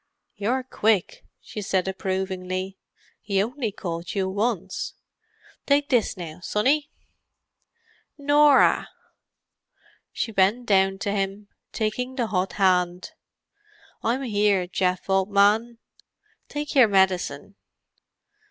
"You're quick," she said approvingly. "He only called you once. Take this, now, sonnie." "Norah!" She bent down to him, taking the hot hand. "I'm here, Geoff, old man. Take your medicine."